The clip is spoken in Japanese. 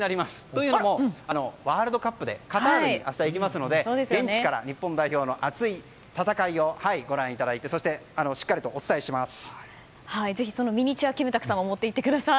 というのも、ワールドカップでカタールに明日行きますので現地から日本代表の熱い戦いをご覧いただいて、そしてしっかりとお伝えします。